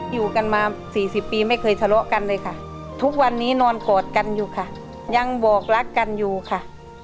อยู่กันมาสี่สิบปีไม่เคยทะเลาะกันเลยค่ะทุกวันนี้นอนกอดกันอยู่ค่ะยังบอกรักกันอยู่ค่ะ